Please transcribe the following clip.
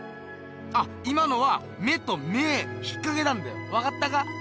あっ今のは目と芽引っかけたんだよわかったか？